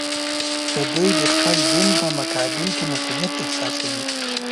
که دوی د خپل دین په مقابل کې مسوولیت احساسوي.